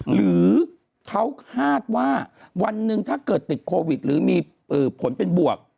หรือเขาคาดว่าวันหนึ่งถ้าเกิดติดโควิดหรือมีผลเป็นบวก